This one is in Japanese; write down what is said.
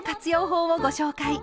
法をご紹介。